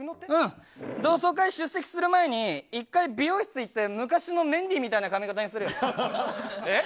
同窓会、出席する前に１回美容室行って昔のメンディーみたいな髪形にする。